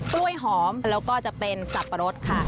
กล้วยหอมแล้วก็จะเป็นสับปะรดค่ะ